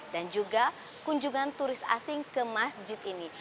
dan juga kunjungan turis asing ke masjid ini